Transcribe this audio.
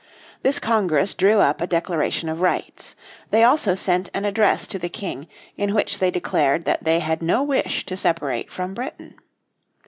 This Congress drew up a Declaration of Rights. They also sent an address to the King in which they declared that they had no wish to separate from Britain.